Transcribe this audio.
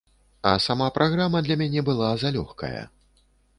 А сама праграма для мяне была залёгкая.